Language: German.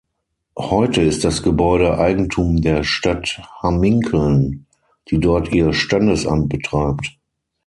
Heute ist das Gebäude Eigentum der Stadt Hamminkeln, die dort ihr Standesamt betreibt.